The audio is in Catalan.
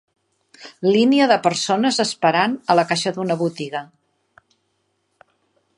Línia de persones esperant a la caixa d"una botiga.